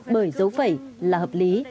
bởi dấu phẩy là hợp lý